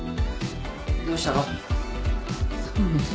どうしたの？